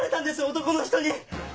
男の人に？